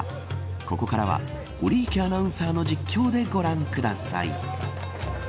ここからは堀池アナウンサーの実況でご覧ください。